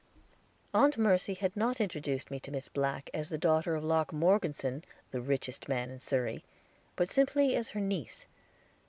Aunt Mercy had not introduced me to Miss Black as the daughter of Locke Morgeson, the richest man in Surrey, but simply as her niece.